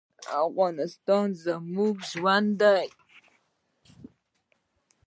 افغانستان زما ژوند دی؟